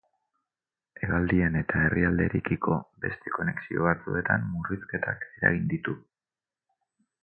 Hegaldien eta herrialdearekiko beste konexio batzuetan murrizketak eragin ditu.